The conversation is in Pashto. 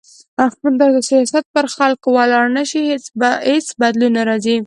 تر څو سیاست پر خلکو ولاړ نه شي، هیڅ بدلون نه راځي.